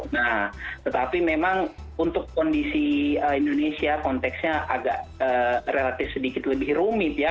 nah tetapi memang untuk kondisi indonesia konteksnya agak relatif sedikit lebih rumit ya